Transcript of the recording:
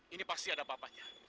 ini pasti ada apa apanya